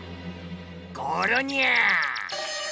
ゴロニャー！